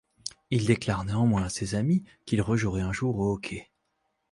Il déclare néanmoins à ses amis qu'il rejouerait un jour au hockey.